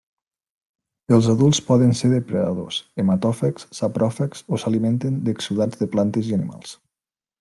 Els adults poden ser depredadors, hematòfags, sapròfags o s'alimenten d'exsudats de plantes i animals.